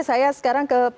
saya sekarang ke pak eftira